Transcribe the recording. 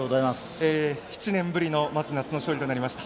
７年ぶりの夏の勝利となりました。